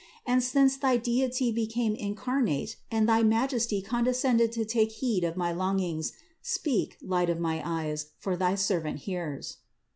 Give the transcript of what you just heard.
And since thy Deity became incarnate and thy Majesty condescended to take heed of my longings, speak, Light of my eyes, for thy servant hears."